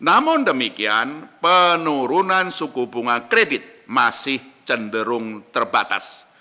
namun demikian penurunan suku bunga kredit masih cenderung terbatas